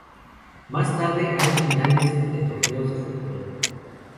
Más tarde hay finales de torneos de futbol.